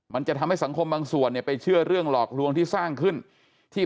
มันจะทำให้สังคมบางส่วนเนี่ยไปเชื่อเรื่องหลอกลวงที่สร้างขึ้นที่